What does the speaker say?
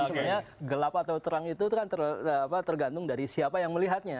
sebenarnya gelap atau terang itu kan tergantung dari siapa yang melihatnya